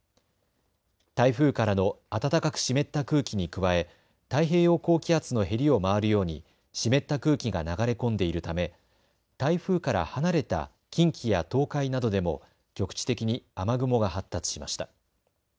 台風からの暖かく湿った空気に加え太平洋高気圧のへりを回るように湿った空気が流れ込んでいるため台風から離れた近畿や東海などでも局地的に雨雲が発達しました。